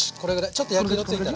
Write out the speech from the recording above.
ちょっと焼き色ついたら。